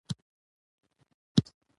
افغانان به له خپلواکۍ څخه برخمن سوي وي.